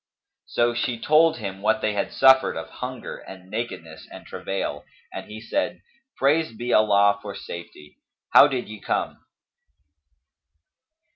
So she told him what they had suffered of hunger and nakedness and travail, and he said, "Praised be Allah for safety! How did ye come?"